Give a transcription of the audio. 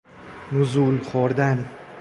نزول خوردن